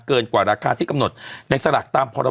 เป็นการกระตุ้นการไหลเวียนของเลือด